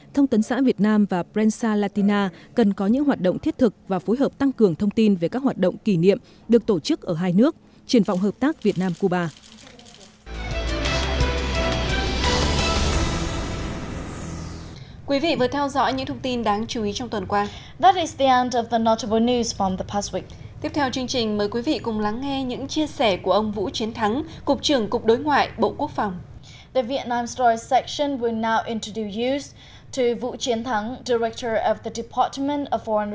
tiếp theo chương trình mời quý vị cùng lắng nghe những chia sẻ của ông vũ chiến thắng cục trưởng cục đối ngoại bộ quốc phòng